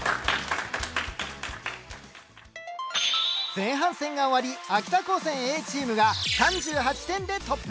前半戦が終わり秋田高専Ａチームが３８点でトップ。